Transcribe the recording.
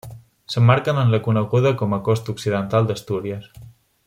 S'emmarquen en la coneguda com a Costa Occidental d'Astúries.